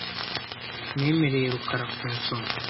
Nemereye rukara kunsoma .